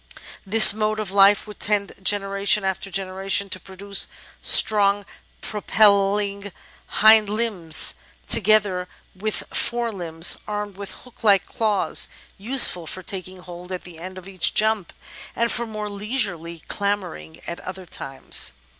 This mode of life would tend, generation after generation, to produce strong propelliog hind limbs, together with f ore limbs» Natural History S97 armed with hook like claws useful for taking hold at the end of each jump and for more leisurely clambering at other times.